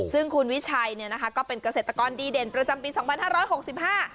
ซึ่งคุณวิชัยเนี่ยนะคะก็เป็นเกษตรกรดีเด่นประจำปีสองพันห้าร้อยหกสิบห้า